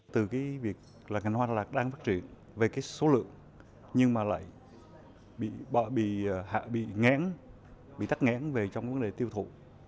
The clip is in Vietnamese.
từ cái việc là ngành hoa đà lạt đang phát triển về cái số lượng nhưng mà lại bị ngán bị tắt ngán về trong vấn đề tiêu thụ